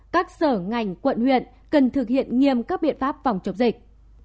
các sở ngành quận huyện cần thực hiện nghiêm các biện pháp phòng chống dịch